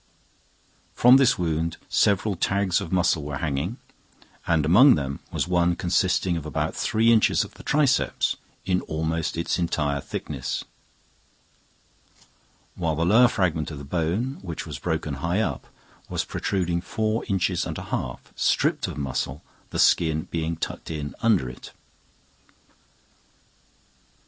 From this wound several tags of muscle were hanging, and among them was One consisting of about three inches of the triceps in almost Its entire thickness; while the lower fragment of the bone, which was broken high up, was protruding four inches and a half, stripped of muscle, the skin being tucked in under it.